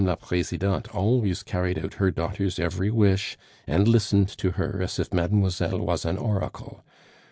la Presidente always carried out her daughter's every wish and listened to her as if Mademoiselle was an oracle.